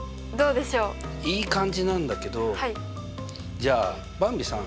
じゃあばんびさん。